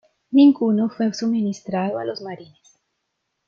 Ninguno fue suministrado a los Marines.